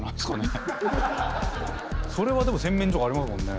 それはでも洗面所がありますもんね。